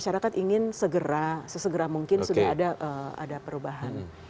masyarakat ingin segera sesegera mungkin sudah ada perubahan